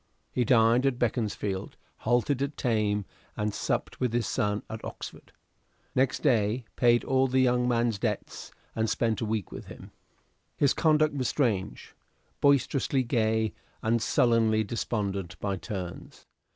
He dined at Beaconsfield, halted at Thame, and supped with his son at Oxford: next day paid all the young man's debts and spent a week with him. His conduct was strange; boisterously gay and sullenly despondent by turns.